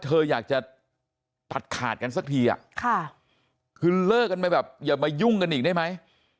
เธออยากจะตัดขาดกันสักทีอ่ะค่ะคือเลิกกันไปแบบอย่ามายุ่งกันอีกได้ไหม